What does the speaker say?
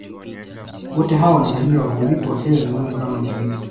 wote hao wanafaidika kwa kulipwa fedha zinazotokana na utalii